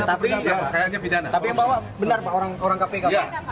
tapi yang bawa benar pak orang kpk